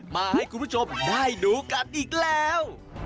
มาให้คุณผู้ชมได้ดูกันอีกแล้ว